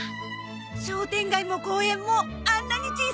商店街も公園もあんなに小さいや！